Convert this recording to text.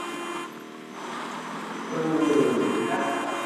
Olaranyani ataimba kiitikio huku kikundi cha wanakwaya nacho kikiimba